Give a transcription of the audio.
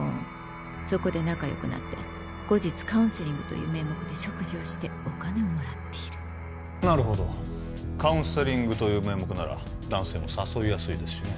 そこで仲よくなって後日カウンセリングという名目で食事をしてお金をもらっているなるほどカウンセリングという名目なら男性も誘いやすいですしね